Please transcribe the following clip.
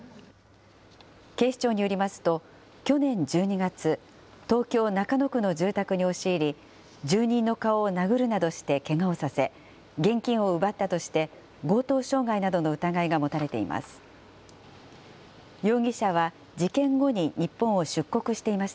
警視庁によりますと、去年１２月、東京・中野区の住宅に押し入り、住人の顔を殴るなどしてけがをさせ、現金を奪ったとして、強盗傷害などの疑いが持たれています。